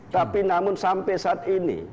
tapi namun sampai saat ini